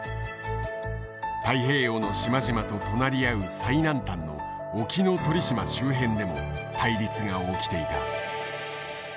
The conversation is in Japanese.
太平洋の島々と隣り合う最南端の沖ノ鳥島周辺でも対立が起きていた。